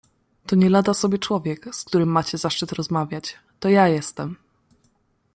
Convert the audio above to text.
"To nielada sobie człowiek, z którym macie zaszczyt rozmawiać, to ja jestem!"